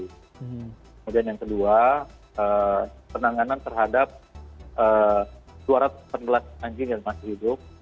kemudian yang kedua penanganan terhadap suara penelat anjing yang masih hidup